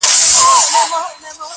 • چي مرور نه یم، چي در پُخلا سم تاته.